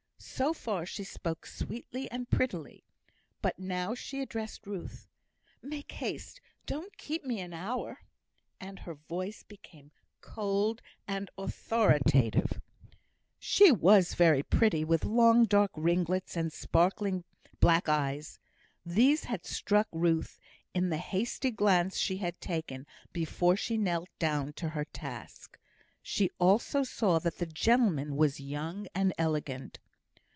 So far she spoke sweetly and prettily. But now she addressed Ruth. "Make haste. Don't keep me an hour." And her voice became cold and authoritative. She was very pretty, with long dark ringlets and sparkling black eyes. These had struck Ruth in the hasty glance she had taken, before she knelt down to her task. She also saw that the gentleman was young and elegant.